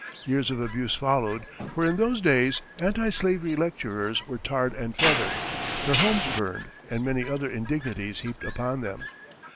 Years of abuse followed, for in those days anti slavery lecturers were tarred and feathered, their homes burned, and many other indignities heaped upon them.